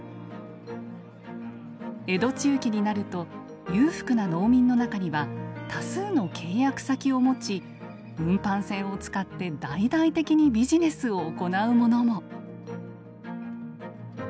江戸中期になると裕福な農民の中には多数の契約先を持ち運搬船を使って大々的にビジネスを行う者も。